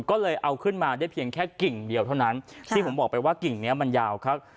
ก็เลยเอาขึ้นมาได้เพียงแค่กิ่งเดียวเท่านั้นที่ผมบอกไปว่ากิ่งเนี้ยมันยาวครับ